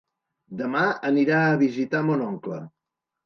Demà anirà a visitar mon oncle.